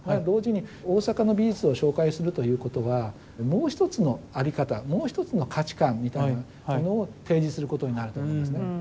同時に大阪の美術を紹介するということはもう一つの在り方もう一つの価値観みたいなものを提示することになると思うんですね。